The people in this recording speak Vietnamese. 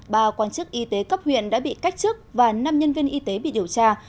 ba quan chức y tế cấp huyện đã bị cách chức và năm nhân viên y tế bị điều tra